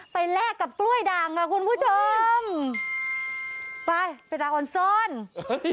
ไปแลกกับกล้วยด่างนะคุณผู้ชมไปไปตาก่อนโซนเอ้ยเอ้า